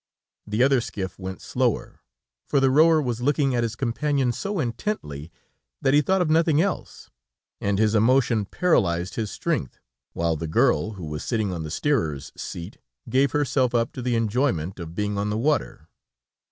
The other skiff went slower, for the rower was looking at his companion so intently, that he thought of nothing else, and his emotion paralyzed his strength, while the girl, who was sitting on the steerer's seat, gave herself up to the enjoyment of being on the water.